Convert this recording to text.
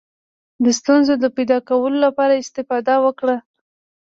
د ستونزو د پیدا کولو لپاره استفاده وکړه.